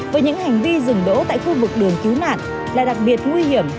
với những hành vi dừng đỗ tại khu vực đường cứu nạn là đặc biệt nguy hiểm